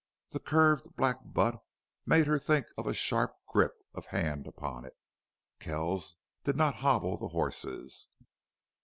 The curved black butt made her think of a sharp grip of hand upon it. Kells did not hobble the horses.